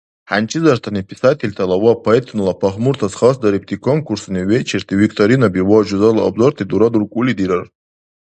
ХӀянчизартани писательтала ва поэтунала пагьмуртас хасдарибти конкурсуни, вечерти, викторинаби ва жузала обзорти дурадуркӀули дирар.